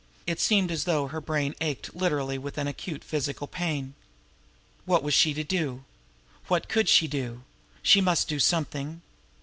It seemed as though her brain ached literally with an acute physical pain. What was she to do? What could she do? She must do something!